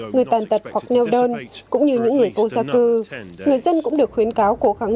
người tàn tật hoặc nêu đơn cũng như những người vô gia cư người dân cũng được khuyến cáo cố gắng